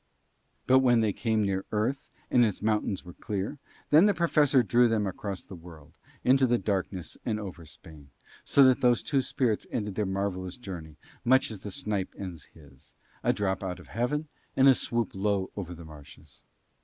But when they came near Earth and its mountains were clear, then the Professor drew them across the world, into the darkness and over Spain; so that those two spirits ended their marvellous journey much as the snipe ends his, a drop out of heaven and a swoop low over marshes.